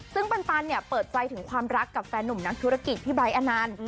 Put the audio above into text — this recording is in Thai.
ซึ่งปันเนี่ยเปิดใจถึงความรักกับแฟนหนุ่มนักธุรกิจพี่ไบท์อนันต์